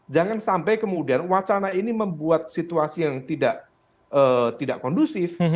jangan sampai kemudian wacana ini membuat situasi yang tidak kondusif